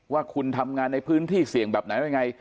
ว่าคุณทำงานในพื้นที่เสี่ยงแบบไหนยังไง